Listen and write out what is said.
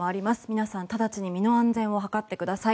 皆さん直ちに身の安全を図ってください。